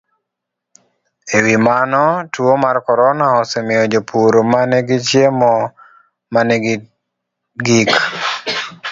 E wi mano, tuo mar corona osemiyo jopur ma nigi chiemo ma nigi gik